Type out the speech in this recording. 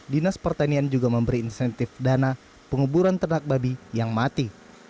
dinas pertanian juga memberi insentif dana penguburan ternak babi yang mati